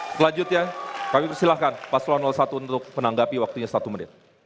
selanjutnya kami persilahkan pak sulawono i untuk menanggapi waktunya satu menit